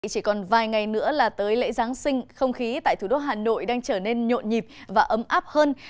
chỉ còn vài ngày nữa là tới lễ giáng sinh không khí tại thủ đô hà nội đang trở nên nhộn nhịp và ấm áp hơn